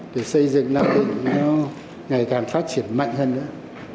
để xây dựng nam định nó ngày càng phát triển mạnh hơn nữa